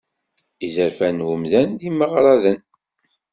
Izerfan n wemdan d imeɣradanen.